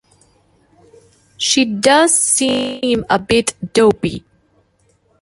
She does seem a bit dopey.